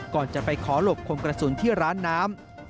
ก่อนจะไปขอหลบคมกระสุนที่ร้านน้ำ